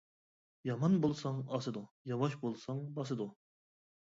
يامان بولساڭ ئاسىدۇ، ياۋاش بولساڭ باسىدۇ.